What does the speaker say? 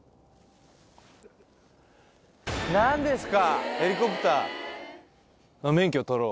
何ですか！？